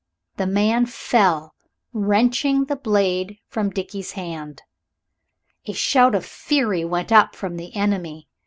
The man fell, wrenching the blade from Dickie's hand. A shout of fury went up from the enemy.